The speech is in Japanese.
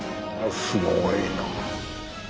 すごいな。